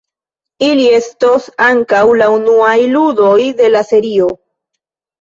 Ili estos ankaŭ la unuaj ludoj de la serio.